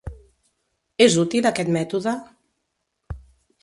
És útil aquest mètode?